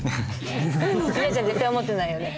莉奈ちゃん絶対思ってないよね。